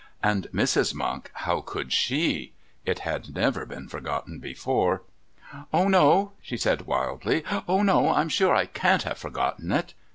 And Mrs. Monk, how could SHE? It had never been forgotten before. "Oh, no," she said wildly. "Oh, no! I'm sure I can't have forgotten it."